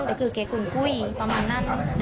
แต่คือแก่คุนคุยประมาณนั้นนด์